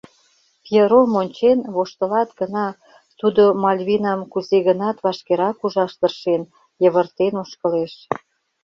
Пьером ончен, воштылат гына — тудо Мальвинам кузе-гынат вашкерак ужаш тыршен, йывыртен ошкылеш.